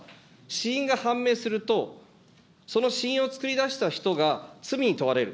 死因が判明すると、その死因をつくり出した人が罪に問われる。